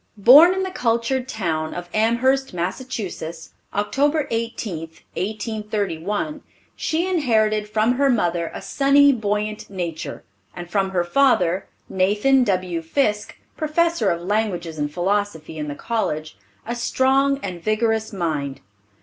Born in the cultured town of Amherst, Mass., Oct. 18, 1831, she inherited from her mother a sunny, buoyant nature, and from her father, Nathan W. Fiske, professor of languages and philosophy in the college, a strong and vigorous mind.